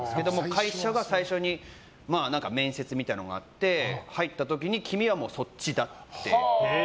会社が最初に面接みたいなのがあって入った時に君はそっちだって。